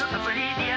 「ディア